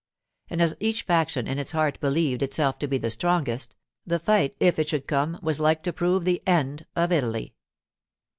And as each faction in its heart believed itself to be the strongest, the fight, if it should come, was like to prove the end of Italy.